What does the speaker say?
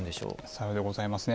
さようでございますね。